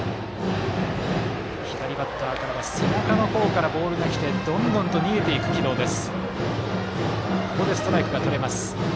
左バッターから背中の方からボールがきてどんどんと逃げていく軌道です。